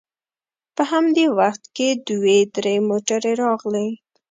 په همدې وخت کې دوې درې موټرې راغلې.